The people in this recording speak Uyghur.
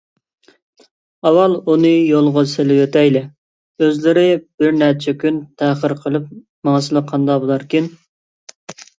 ئاۋۋال ئۇنى يولغا سېلىۋېتەيلى، ئۆزلىرى بىرنەچچە كۈن تەخىر قىلىپ ماڭسىلا قانداق بولاركىن؟